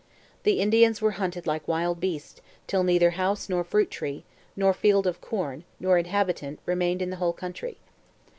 The Indians were hunted like wild beasts, till neither house nor fruit tree, nor field of corn, nor inhabitant, remained in the whole country.'